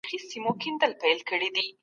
د اوبو پر سر شخړې د خبرو له لارې حل کیږي.